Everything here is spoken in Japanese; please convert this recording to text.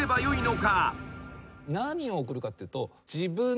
何を送るかっていうと。